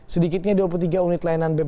sedikitnya dua puluh tiga unit layanan